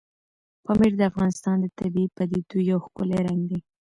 پامیر د افغانستان د طبیعي پدیدو یو ښکلی رنګ دی.